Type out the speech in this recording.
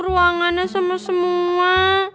ruangannya sama semua